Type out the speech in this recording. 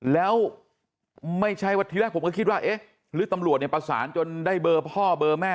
แล้วไม่ใช่ว่าที่แรกผมก็คิดว่าเอ๊ะหรือตำรวจเนี่ยประสานจนได้เบอร์พ่อเบอร์แม่